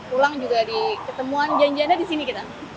pulang juga di ketemuan janjiannya di sini kita